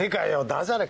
駄じゃれ